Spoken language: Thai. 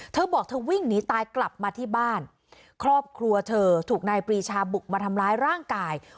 เธอบอกเธอวิ่งหนีตายกลับมาที่บ้านครอบครัวเธอถูกนายปรีชาบุกมาทำร้ายร่างกาย